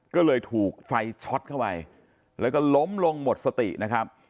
ก็เลยถูกไฟช็อตเข้าไปแล้วก็ล้มลงหมดสตินะครับ